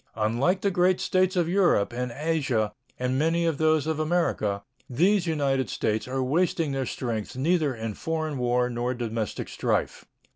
Unlike the great States of Europe and Asia and many of those of America, these United States are wasting their strength neither in foreign war nor domestic strife.